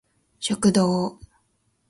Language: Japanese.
食堂